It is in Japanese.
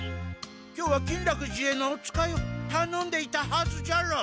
今日は金楽寺へのお使いをたのんでいたはずじゃろう。